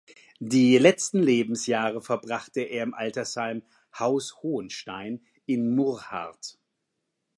Die letzten Lebensjahre verbrachte er im Altersheim „Haus Hohenstein“ in Murrhardt.